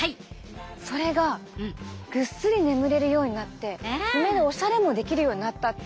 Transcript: それがぐっすり眠れるようになって爪でオシャレもできるようになったって。